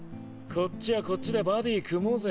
こっちはこっちでバディ組もうぜ。